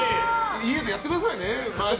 家でやってくださいね。